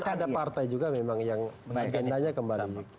dan ada partai juga memang yang mengendalinya kembali